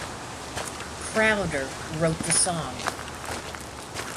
Crowder wrote the song.